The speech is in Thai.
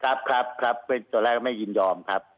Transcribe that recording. ครับครับตอนแรกไม่ยินยอมครับ